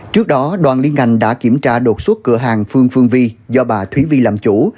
trước đó đoàn liên ngành đã kiểm tra đột xuất cửa hàng phương phương vi do bà thúy vi làm chủ